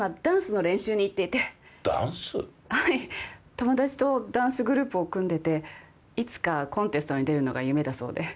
友達とダンスグループを組んでていつかコンテストに出るのが夢だそうで。